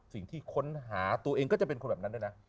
สิ่งที่ค้นหาตัวเองก็จะเป็นคนแบบนั้นด้วยนะ